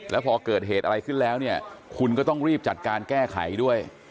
แล้วพอเกิดเหตุอะไรขึ้นแล้วเนี่ยคุณก็ต้องรีบจัดการแก้ไขด้วย